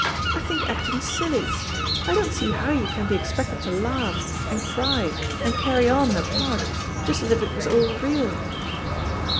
I think acting's silly. I don't see how you can be expected to laugh, and cry, and carry on in a part, just as if it was all real."